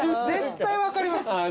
絶対分かります。